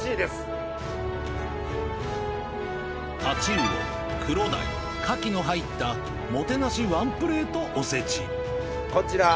タチウオクロダイカキの入ったもてなしワンプレートおせち